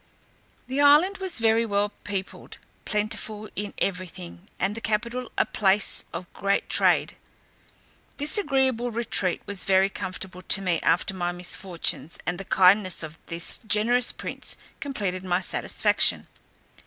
The island was very well peopled, plentiful in everything, and the capital a place of great trade. This agreeable retreat was very comfortable to me after my misfortunes, and the kindness of this generous prince completed my satisfaction.